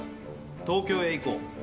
東京へ行こう。